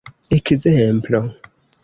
ekzemplo